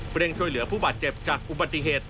เร่งช่วยเหลือผู้บาดเจ็บจากอุบัติเหตุ